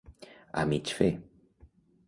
A mig fer.